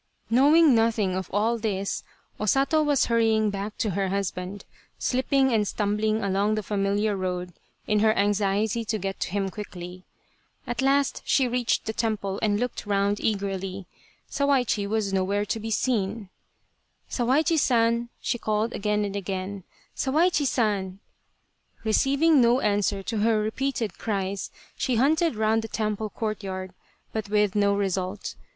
Knowing nothing of all this, O Sato was hurrying back to her husband, slipping and stumbling along the familiar road in her anxiety to get to him quickly. At last she reached the temple and looked round eagerly. Sawaichi was nowhere to be seen. " Sawaichi San !" she called again and again. " Sawaichi San !" Receiving no answer to her repeated cries she hunted round the temple courtyard, but with no result.